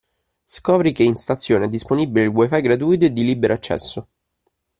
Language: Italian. Scopri che in stazione è disponibile il wifi gratuito e di libero accesso!